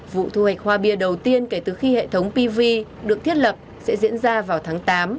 vụ thu hoạch hoa bia đầu tiên kể từ khi hệ thống pv được thiết lập sẽ diễn ra vào tháng tám